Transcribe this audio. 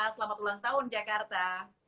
selamat ulang tahun jakarta